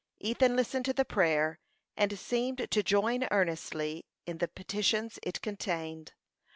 Ethan listened to the prayer, and seemed to join earnestly in the petitions it contained.